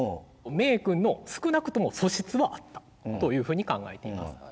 名君の少なくとも素質はあったというふうに考えています。